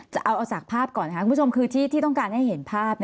จะเอาสากภาพก่อนค่ะคุณผู้ชมคือที่ต้องการให้เห็นภาพ